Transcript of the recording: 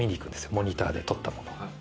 モニターで撮ったものを。